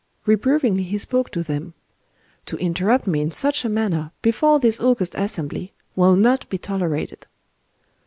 Reprovingly he spoke to them:— "To interrupt me in such a manner, before this august assembly, will not be tolerated."